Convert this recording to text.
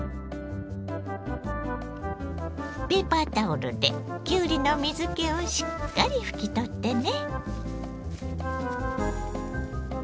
ペーパータオルできゅうりの水けをしっかり拭き取ってね。